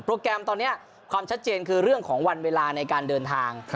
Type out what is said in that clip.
แกรมตอนนี้ความชัดเจนคือเรื่องของวันเวลาในการเดินทาง